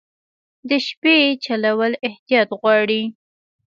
د شپې چلول احتیاط غواړي.